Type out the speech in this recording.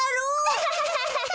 アハハハ！